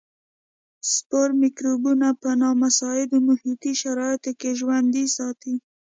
سپور مکروبونه په نامساعدو محیطي شرایطو کې ژوندي ساتي.